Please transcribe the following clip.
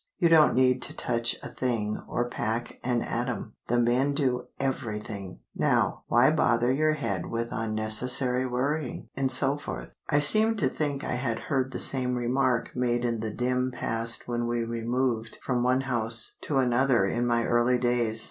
You don't need to touch a thing or pack an atom. The men do everything. Now, why bother your head with unnecessary worrying?" etc. I seemed to think I had heard the same remark made in the dim past when we removed from one house to another in my early days.